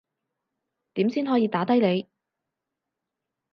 點先可以打低你